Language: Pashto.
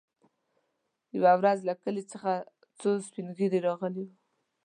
يوه ورځ له کلي څخه څو سپين ږيري راغلي وو.